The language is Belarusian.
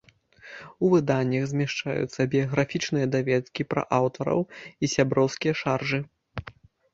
У выданнях змяшчаюцца біяграфічныя даведкі пра аўтараў і сяброўскія шаржы.